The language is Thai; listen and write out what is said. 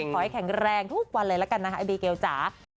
ขอให้แข็งแรงทุกวันเลยกันนะตา